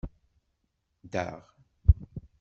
Daɣ.